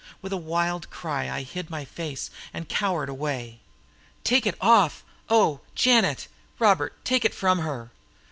With a wild cry I hid my face and cowered away. "Take it off! O, Janet Robert take it from her!"